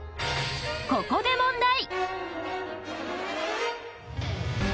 ここで問題